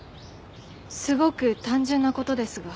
すごく単純な事ですが。